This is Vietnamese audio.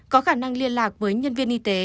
có khả năng liên lạc với nhân viên y tế